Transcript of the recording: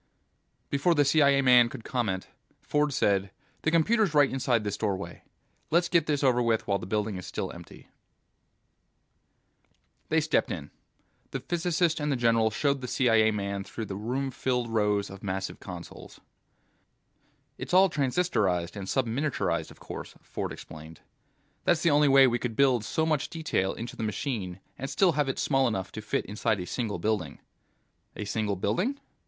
Before the CIA man could comment, Ford said, "The computer's right inside this doorway. Let's get this over with while the building is still empty." They stepped in. The physicist and the general showed the CIA man through the room filling rows of massive consoles. "It's all transistorized and subminiaturized, of course," Ford explained. "That's the only way we could build so much detail into the machine and still have it small enough to fit inside a single building." "A single building?"